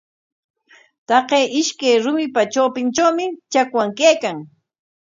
Taqay ishkay rumipa trawpintrawmi chakwan kaykan.